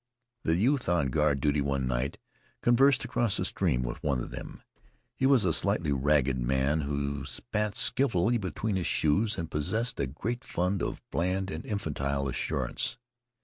The youth, on guard duty one night, conversed across the stream with one of them. He was a slightly ragged man, who spat skillfully between his shoes and possessed a great fund of bland and infantile assurance.